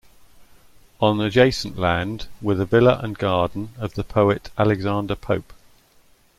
On adjacent land were the villa and garden of the poet Alexander Pope.